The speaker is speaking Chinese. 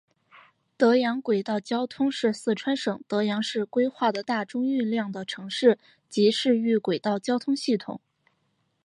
德阳轨道交通是四川省德阳市规划的大中运量的城市及市域轨道交通系统。